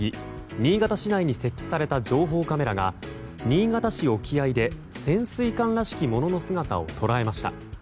新潟市内に設置された情報カメラが新潟市沖合で潜水艦らしきものの姿を捉えました。